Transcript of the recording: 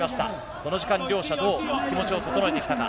この時間、両者はどう気持ちを整えてきたか。